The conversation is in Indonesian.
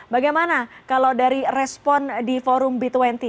bagaimana kalau dari respon di forum b dua puluh